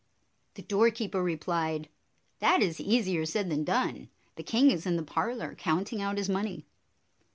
The doorkeeper replied, "That is easier said than done. The king is in the parlor, counting out his money."